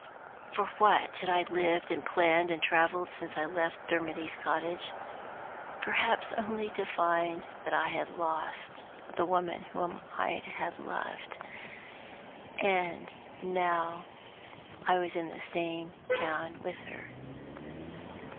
For what had I lived and planned and traveled since I left Dermody's cottage? Perhaps only to find that I had lost the woman whom I loved now that I was in the same town with her!